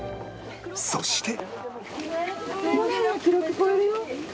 そして